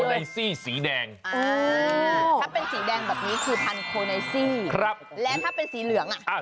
ถ้าเป็นสีแดงแบบนี้คือพันธุ์โคไนซี่แล้วถ้าเป็นสีเหลืองอ่ะ